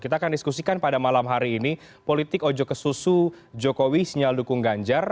kita akan diskusikan pada malam hari ini politik ojo kesusu jokowi sinyal dukung ganjar